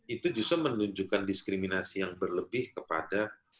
itu justru menunjukkan diskriminasi yang berlebih kepada